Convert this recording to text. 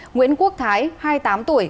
nguyễn quốc thái hai mươi tám tuổi